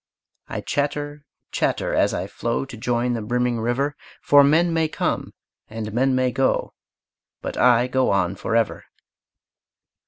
I chatter, chatter, as I flow To join the brimming river; For men may come and men may go, But I go on forever.